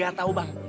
gak tahu gak tahu